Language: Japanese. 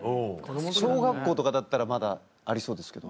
小学校とかだったらまだありそうですけど。